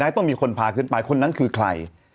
ต้องมีคนพาขึ้นไปคนนั้นคือใคร